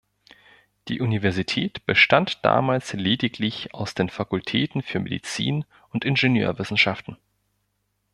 Die Universität bestand damals lediglich aus den Fakultäten für Medizin und Ingenieurwissenschaften.